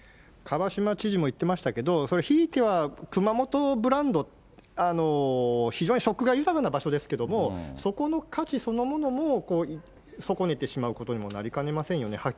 蒲島知事も言ってましたけど、ひいては、熊本ブランド、非常に食が豊かな場所ですけれども、そこの価値そのものも損ねてしまうことにもなりかねませんよね。